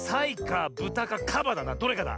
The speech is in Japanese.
どれかだ。